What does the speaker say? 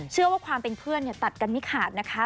เชื่อว่าความเป็นเพื่อนตัดกันไม่ขาดนะคะ